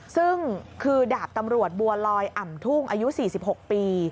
ซึ่งคือดาบตำรวจบัวลอยอ่ำทุ่งอายุ๔๖ปี